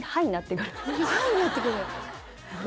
ハイになってくる？